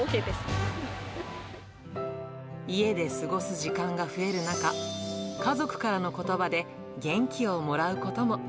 家で過ごす時間が増える中、家族からのことばで元気をもらうことも。